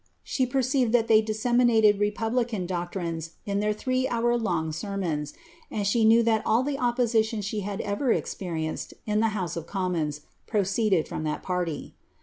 She perceived they ilisseminaied republican doclrinee in their three hour long scrm and bhe knew that all the opposition she had ever experienced in iht house of commons, proceeded from ibat parly.